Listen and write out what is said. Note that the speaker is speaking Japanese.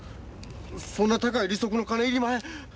そんな高い利息の金いりまへん。